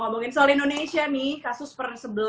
ngomongin soal indonesia nih kasus per